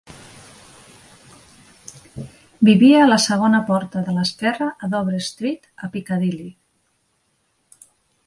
Vivia a "la segona porta de l'esquerra a Dover Street", a Piccadilly.